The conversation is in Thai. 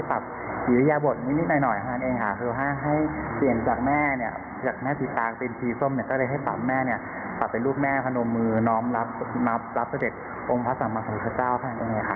ภาพภาพนะฮะ